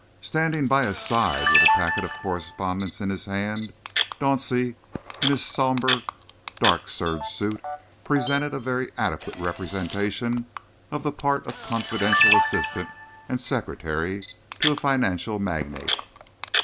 Standing by his side, with a packet of correspondence in his hand, Dauncey, in his sober, dark serge suit, presented a very adequate representation of the part of confidential assistant and secretary to a financial magnate.